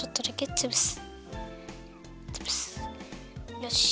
よし。